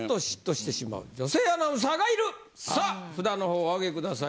さあ札のほうおあげください